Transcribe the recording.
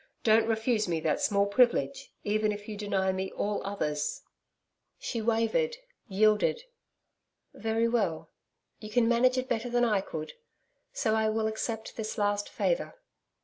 Don't refuse me that small privilege, even if you deny me all others.' She wavered yielded. 'Very well. You can manage it better than I could. So I will accept this last favour.'